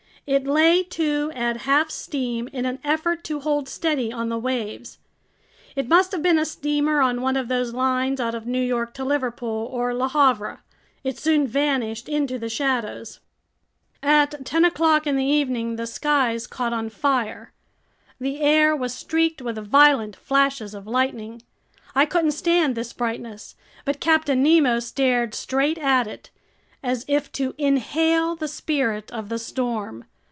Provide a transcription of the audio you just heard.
It lay to at half steam in an effort to hold steady on the waves. It must have been a steamer on one of those lines out of New York to Liverpool or Le Havre. It soon vanished into the shadows. At ten o'clock in the evening, the skies caught on fire. The air was streaked with violent flashes of lightning. I couldn't stand this brightness, but Captain Nemo stared straight at it, as if to inhale the spirit of the storm.